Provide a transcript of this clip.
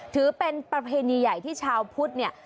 ถือเป็นประเพณีใหญ่ที่ชาวพุทธเนี่ย